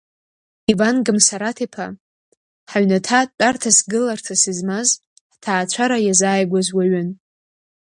Иван Гамсараҭ-иԥа, ҳаҩнаҭа тәарҭас-гыларҭас измаз, ҳҭаацәара иазааигәаз уаҩын.